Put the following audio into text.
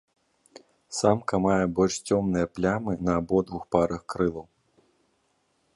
Самка мае больш цёмныя плямы на абодвух парах крылаў.